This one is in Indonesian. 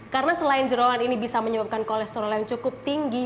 karena selain jeruan ini bisa menyebabkan kolesterol yang cukup tinggi